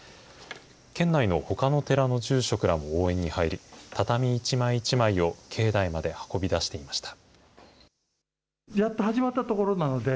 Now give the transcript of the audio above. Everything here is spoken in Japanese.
県内のほかの寺の住職らも応援に入り、畳一枚一枚を境内まで運び出していました。